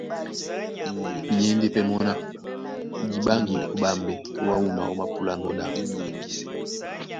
Myěndé pɛ́ mɔ́ ná :Di ɓáŋgi ó ɓambɛ wǎ wúma ómāpúlanɔ́ ɗá.